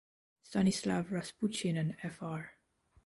Stanislav Rasputin and Fr.